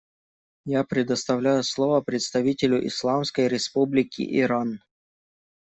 Я предоставляю слово представителю Исламской Республики Иран.